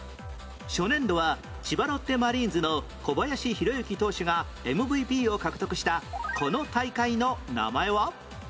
初年度は千葉ロッテマリーンズの小林宏之投手が ＭＶＰ を獲得したこの大会の名前は？